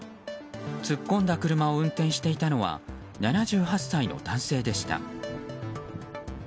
突っ込んだ車を運転していたのは７８歳の男性でした。